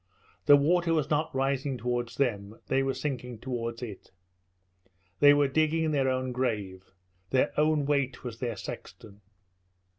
The water was not rising towards them; they were sinking towards it. They were digging their own grave. Their own weight was their sexton.